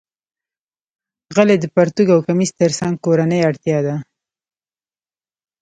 غلۍ د پرتوګ او کمیس تر څنګ کورنۍ اړتیا ده.